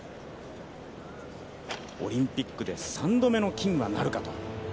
オリンピックで３度目の金はなるか。